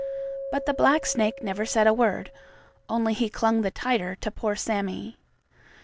But the black snake never said a word, only he clung the tighter to poor Sammie.